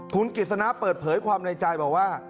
คุณกิจสนะเปิดเผยความในใจบอกว่า